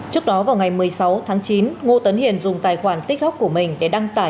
hôm sáu tháng chín ngô tấn hiển dùng tài khoản tiktok của mình để đăng tải